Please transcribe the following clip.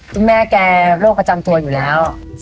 คุณแม่แกโรคประจำตัวอยู่แล้ว